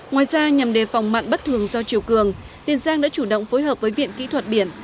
ngoài ra nhằm đề phòng mặn bất thường do chiều cường tiền giang đã chủ động phối hợp với viện kỹ thuật biển